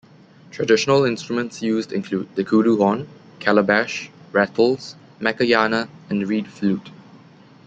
Traditional instruments used include: the kudu horn, calabash, rattles, makeyana and reed flute.